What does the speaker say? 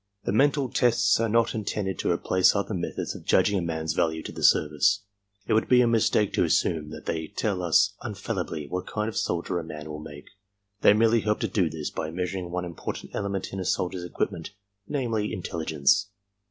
The mental tests are not intended to replace other methods of judging a man's value to the service. It would be a mistake to assume that they tell us infallibly what kind of soldier a man will make. They merely help to do this by measuring one im portant element in a soldier's equipment, namely, intelligence.